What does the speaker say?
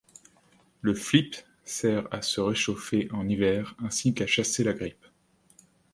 Le flip sert à se réchauffer en hiver ainsi qu’à chasser la grippe.